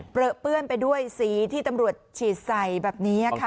เปื้อนไปด้วยสีที่ตำรวจฉีดใส่แบบนี้ค่ะ